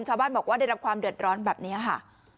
ชาวบ้านบอกว่าได้รับความเดือดร้อนแบบนี้ค่ะ